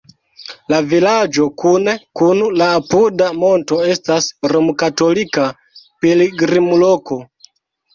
La vilaĝo kune kun la apuda monto estas romkatolika pilgrimloko.